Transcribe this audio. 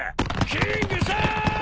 キングさん！